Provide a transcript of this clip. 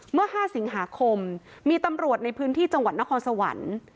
เมื่อ๕สิงหาคมมีตำรวจในพื้นที่จังหวัดนครสวรรค์